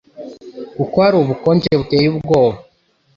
kuko hari ubukonje buteye ubwoba